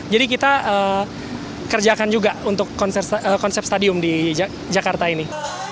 jadi kita kerjakan juga untuk konsep stadium di jakarta ini